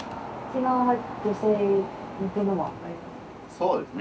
そうですね。